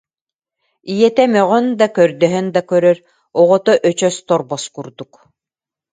Ийэтэ мөҕөн да, көрдөһөн да көрөр, оҕото өчөс торбос курдук